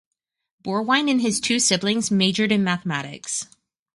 Borwein and his two siblings majored in mathematics.